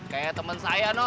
kayaknya temen saya no